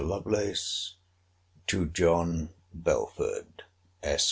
LOVELACE, TO JOHN BELFORD, ESQ.